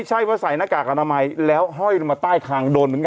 ใช่ว่าใส่หน้ากากอนามัยแล้วห้อยลงมาใต้คางโดนเหมือนกัน